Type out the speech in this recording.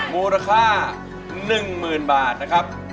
มูลค่า๑๐๐๐บาทนะครับ